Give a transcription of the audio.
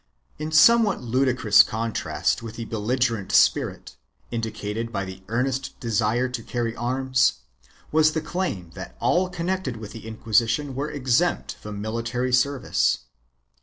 2 / In somewhat ludicrous contrast with the belligerent spirit, indicated by the earnest desire to carry arms, was the claim that all connected with the Inquisition were exempt from military service.